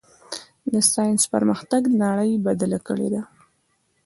د ساینس پرمختګ نړۍ بدله کړې ده.